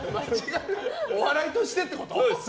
お笑いとしてってこと？